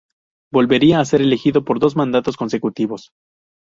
Volvería a ser elegido por dos mandatos consecutivos.